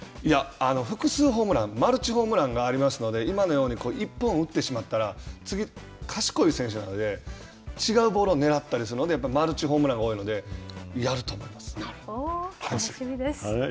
複数ホームランマルチホームランがありますので、今のように１本打ってしまったら、次、賢い選手なので、違うボールを狙ったりするのでやっぱりマルチホームランが多い楽しみです。